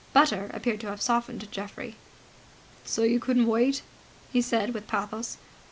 Butter appeared to have softened Geoffrey. "So you couldn't wait!" he said with pathos.